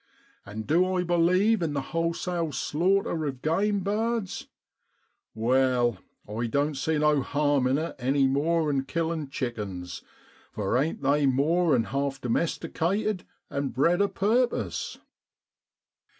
And du I believe in the wholesale slaughter of game birds ? Wai, I doan't see no harm in it any more 'an killin' chickens, for ain't they more 'an half domesticated, and bred a purpose